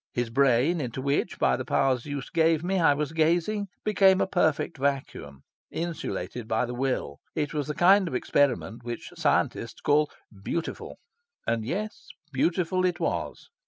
His brain, into which, by the power Zeus gave me, I was gazing, became a perfect vacuum, insulated by the will. It was the kind of experiment which scientists call "beautiful." And yes, beautiful it was.